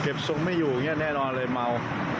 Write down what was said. เก็บทรงไม่อยู่แน่นอนเลยเมา